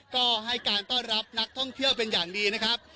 ก็ให้การต้อนรับนักท่องเที่ยวเป็นอย่างดีนะครับ